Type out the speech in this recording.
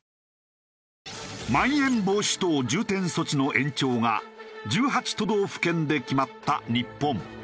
まん延防止等重点措置の延長が１８都道府県で決まった日本。